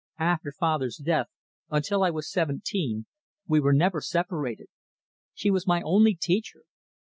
After father's death, until I was seventeen, we were never separated. She was my only teacher.